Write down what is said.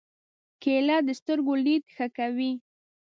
کېله د سترګو لید ښه کوي.